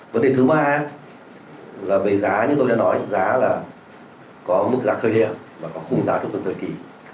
vấn đề thứ ba là về giá như tôi đã nói giá là có mức giá khơi đeo và có khung giá trong tương tư thời kỳ